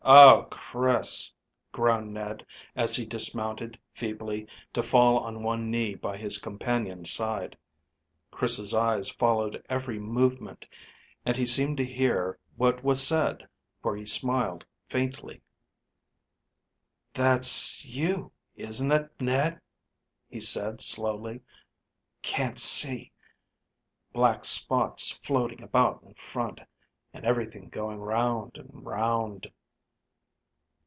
"Oh, Chris!" groaned Ned, as he dismounted feebly, to fall on one knee by his companion's side. Chris's eyes followed every movement, and he seemed to hear what was said, for he smiled faintly. "That's you, isn't it, Ned?" he said slowly. "Can't see. Black spots floating about in front, and everything going round and round."